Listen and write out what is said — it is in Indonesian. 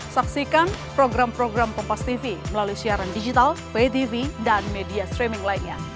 saksikan program program kompastv melalui siaran digital btv dan media streaming lainnya